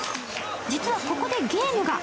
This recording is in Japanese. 実はここでゲームが。